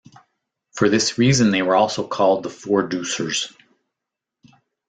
For this reason they were also called the "Four-deucers".